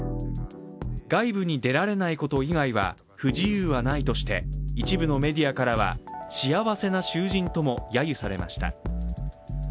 外部に出られないこと以外は不自由はないとして、一部のメディアからは、幸せな囚人とも揶揄されました。